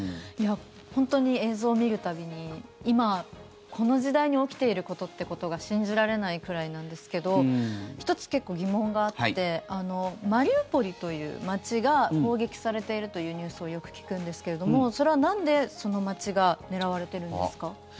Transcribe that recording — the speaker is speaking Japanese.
本当に映像を見る度に今、この時代に起きていることってことが信じられないくらいなんですけど１つ、結構疑問があってマリウポリという街が攻撃されているというニュースをよく聞くんですけれどもそれはなんでその街が狙われているんですか？